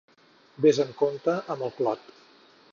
Vés amb compte amb el clot.